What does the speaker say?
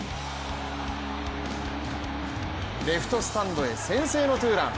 レフトスタンドへ先生のツーラン。